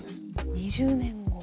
２０年後。